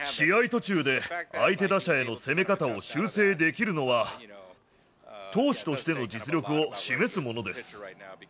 途中で、相手打者への攻め方を修正できるのは、投手としての実力を示すものです。